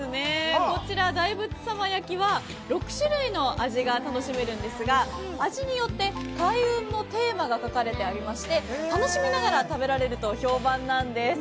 こちらの大仏さま焼きは６種類の味が楽しめるんですが味によって開運のテーマが書かれてまして楽しみながら食べられると評判なんです。